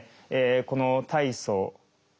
この「大棗」